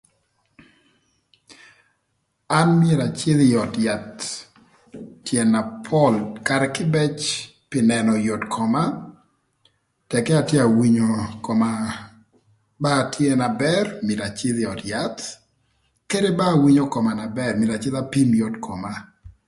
An myero a cïdhï ï öd yath tyën na pol karë kïbëc pï nënö yot koma tëkï atye ka winyo koma ba tye na bër mïtö acïdhï ï öd yath kadï ba awinyo koma na bër myero acïdhï apim yot koma.